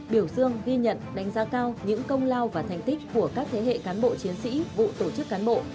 biểu dương ghi nhận đánh giá cao những công lao và thành tích của các thế hệ cán bộ chiến sĩ vụ tổ chức cán bộ